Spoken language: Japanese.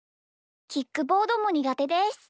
キックボードもにがてです。